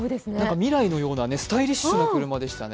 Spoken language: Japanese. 未来のようなスタイリッシュな車でしたね。